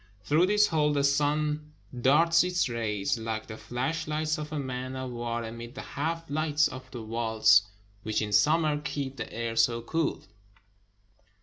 Through this hole the sun darts its rays like the flash lights of a man of war amid the half lights of the vaults, which in summer keep the air so cool.